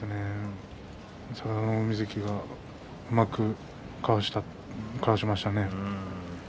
佐田の海関がうまくかわしましたね。